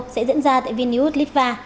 sẽ diễn ra tại vinnyut litva